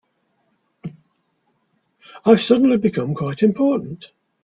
I've suddenly become quite important.